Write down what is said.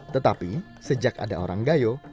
tetapi sejak ada orang gayo